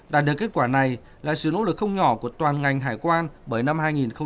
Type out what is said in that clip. đạt được kết quả này là sự nỗ lực không nhỏ của toàn ngành hải quan bởi năm hai nghìn một mươi tám